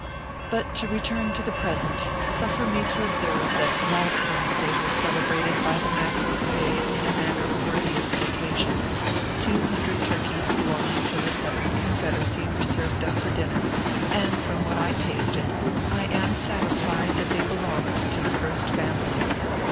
But to return to the present, suffer me to observe that last Wednesday was celebrated by the Mackerel Brigade in a manner worthy of the occasion. Two hundred turkeys belonging to the Southern Confed eracy were served up for dinner, and from what I tasted, I am satisfied that they belonged to the First Families.